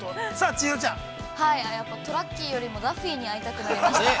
◆はい、トラッキーよりも、ダッフィーに合いたくなりましたね。